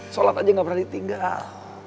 sholat aja gak pernah ditinggal